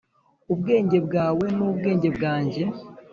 ubwenge bwawe nubwenge bwanjye.